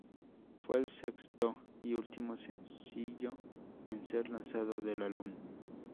Fue el sexto y último sencillo en ser lanzado del álbum.